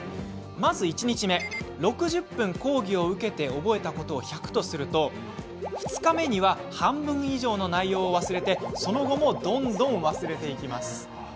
まず、１日目６０分講義を受けて覚えたことを１００とすると２日目には半分以上の内容を忘れてその後もどんどん忘れていきます。